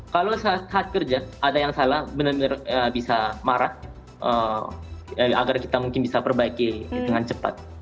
kalau saat kerja ada yang salah benar benar bisa marah agar kita mungkin bisa perbaiki dengan cepat